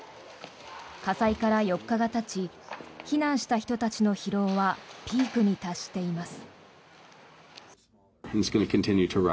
火災から４日がたち避難した人たちの疲労はピークに達しています。